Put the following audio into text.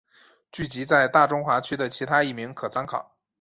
剧集在大中华区的其他译名可参考。